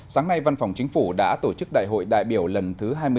sáng nay văn phòng chính phủ đã tổ chức đại hội đại biểu lần thứ hai mươi sáu